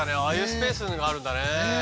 ああいうスペースがあるんだね。